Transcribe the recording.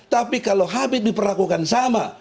tapi kalau habib diperlakukan sama